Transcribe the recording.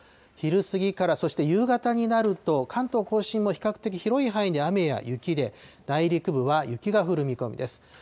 昼過ぎからそして夕方になると、関東甲信も比較的広い範囲で雨や雪で内陸部は雪が降る見込みです。